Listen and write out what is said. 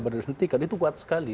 berhentikan itu kuat sekali